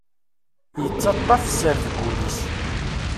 Yettaṭṭaf sser deg wul-is.